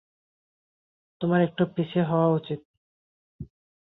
তোমার একটু পিছপা হওয়া উচিৎ।